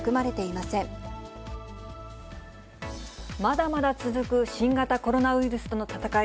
まだまだ続く新型コロナウイルスとの闘い。